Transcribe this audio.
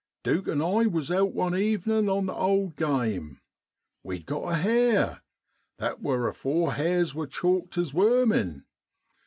Duke an' I was out one evening on the old game. We'd got a hare that wor afore hares wor chalked as wermin.